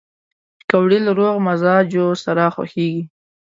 پکورې له روغ مزاجو سره خوښېږي